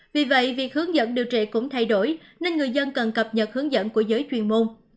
vì vậy việc hướng dẫn điều trị cũng thay đổi nên người dân cần cập nhật hướng dẫn của giới chuyên môn